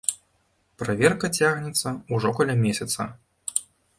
Праверка цягнецца ўжо каля месяца.